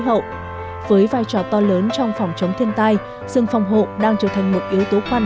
hậu với vai trò to lớn trong phòng chống thiên tai rừng phòng hộ đang trở thành một yếu tố quan